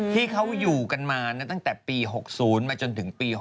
ที่เขาอยู่กันมาตั้งแต่ปี๖๐มาจนถึงปี๖๐